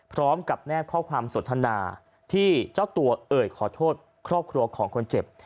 แนบข้อความสนทนาที่เจ้าตัวเอ่ยขอโทษครอบครัวของคนเจ็บ